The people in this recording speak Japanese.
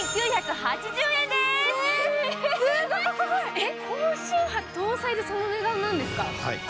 えっ、高周波搭載でこの値段なんですか？